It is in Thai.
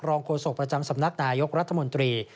โฆษกประจำสำนักนายกรัฐมนตรี